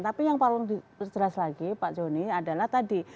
tapi yang perlu dijelas lagi pak joni adalah tadi